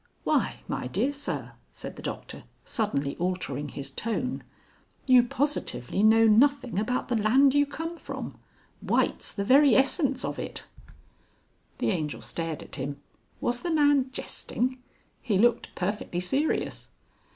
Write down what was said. "Why, my dear Sir!" said the doctor, suddenly altering his tone, "you positively know nothing about the Land you come from. White's the very essence of it." The Angel stared at him. Was the man jesting? He looked perfectly serious.